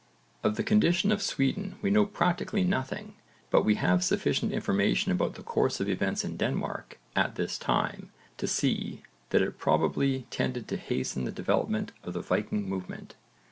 Of the condition of Sweden we know practically nothing but we have sufficient information about the course of events in Denmark at this time to see that it probably tended to hasten the development of the Viking movement.